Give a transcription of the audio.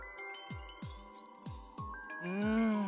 うん。